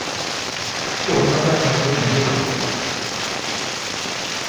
অন্যরা তাকে ঘিরে থাকে।